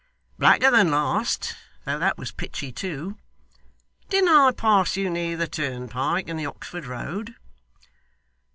'Blacker than last, though that was pitchy too. Didn't I pass you near the turnpike in the Oxford Road?